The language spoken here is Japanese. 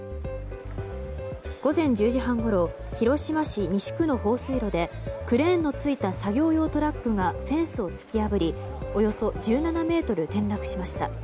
午前１０時半ごろ広島市西区の放水路でクレーンのついた作業用トラックがフェンスを突き破りおよそ１７ｍ転落しました。